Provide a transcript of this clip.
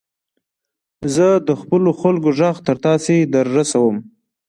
زه د خپلو خلکو ږغ تر تاسي در رسوم.